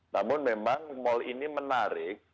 namun memang mal ini menarik